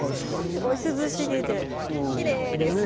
すごい涼しげできれいです。